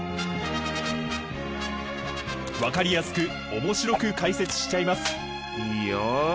分かりやすく面白く解説しちゃいます！